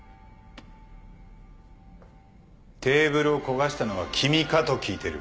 テーブルを焦がしたのは君か？と聞いてる。